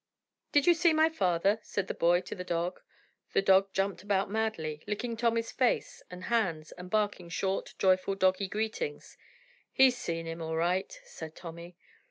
"Did you see my father?" said the boy to the dog. The dog jumped about madly, licking Tommy's face and hands and barking short, joyful doggie greetings. "He's seen him, all right," said Tommy.